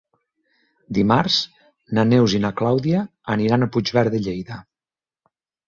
Dimarts na Neus i na Clàudia aniran a Puigverd de Lleida.